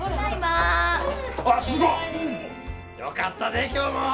よかったで今日も！